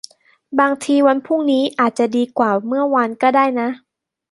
บางทีวันพรุ่งนี้อาจจะดีกว่าเมื่อวานก็ได้นะ